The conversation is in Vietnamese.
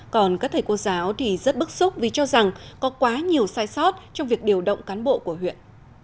còn các thầy cô giáo thì rất bức xúc vì cho rằng có quá nhiều sai sót trong việc điều động cán bộ của huyện